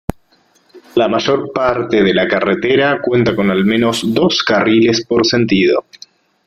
La mayor parte de la carretera cuenta con al menos dos carriles por sentido.